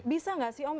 bisa gak sih om